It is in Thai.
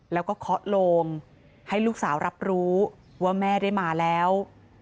แล้วก็เคาะโลงให้ลูกสาวรับรู้ว่าแม่ได้มาแล้ว